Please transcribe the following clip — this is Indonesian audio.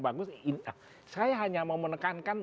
bagus saya hanya mau menekankan